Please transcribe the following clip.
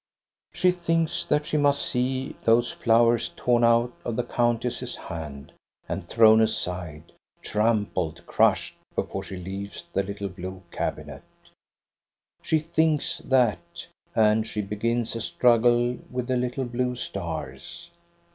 She thinks that she must see those flowers torn out of the countess's hand, and thrown aside, EBB A DOHNA'S STORY. 219 trampled, crushed, before she leaves the little blue cabinet. She thinks that, and she begins a struggle with the little blue stars.